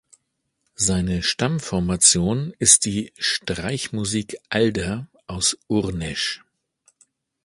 Seine Stammformation ist die "Streichmusik Alder" aus Urnäsch.